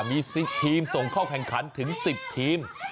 มี๑๐ทีมส่งเข้าแข่งขันถึง๑๐ทีม